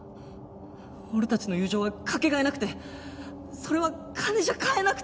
俺たちの友情はかけがえなくてそれは金じゃ買えなくて！